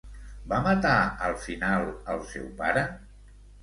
Va matar al final al seu pare?